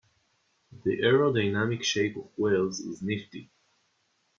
The aerodynamic shape of whales is nifty.